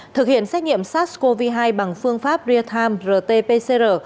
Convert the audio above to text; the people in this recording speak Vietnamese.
thực hiện xét nghiệm sars cov hai bằng phương pháp real time rt pcr